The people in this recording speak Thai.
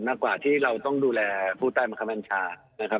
มากกว่าที่เราต้องดูแลผู้ใต้มคมแม่งชา